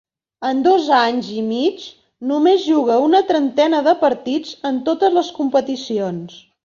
En dos anys i mig, només juga una trentena de partits en totes les competicions.